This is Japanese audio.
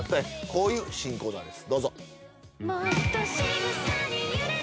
こういう新コーナーです